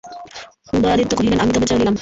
উদয়াদিত্য কহিলেন, আমি তবে চলিলাম।